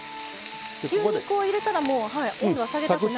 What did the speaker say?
牛肉を入れたらもう温度は下げたくない。